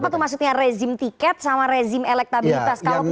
itu apa tuh maksudnya rejim tiket sama rezim elektabilitas